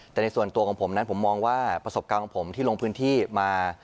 แต่ในส่วนตัวของผมนั้นผมมองว่าประสบการณ์ของผมที่ลงพื้นที่มา